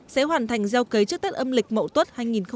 sẽ hoàn thành gieo kế trước tết âm lịch mậu tuất hai nghìn một mươi tám